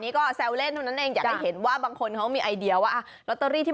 มีวอลเปเปอร์เป็นรัตเตอรี่